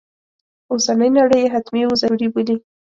اوسنی نړی یې حتمي و ضروري بولي.